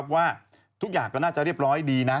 ว่าทุกอย่างก็น่าจะเรียบร้อยดีนะ